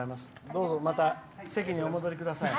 どうぞ、また席にお戻りください。